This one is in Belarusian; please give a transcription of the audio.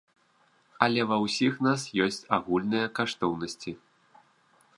Але ва ўсіх нас ёсць агульныя каштоўнасці.